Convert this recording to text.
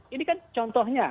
ini kan contohnya